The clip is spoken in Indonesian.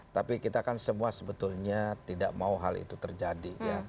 tapi kita kan semua sebetulnya tidak mau hal itu terjadi